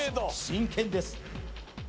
真剣です